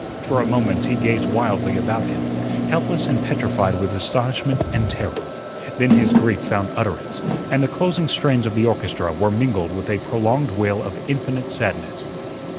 For a moment he gazed wildly about him, helpless and petrified with astonishment and terror. Then his grief found utterance, and the closing strains of the orchestra were mingled with a prolonged wail of infinite sadness.